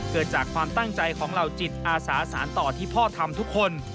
เกิดจากความตั้งใจของเหล่าจิตอาสาสารต่อที่พ่อทำทุกคน